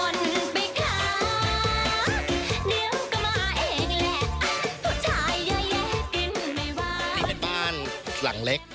นี่เป็นบ้านหลังเล็ก